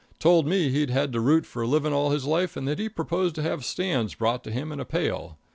Told me he'd had to root for a living all his life and that he proposed to have Stan's brought to him in a pail.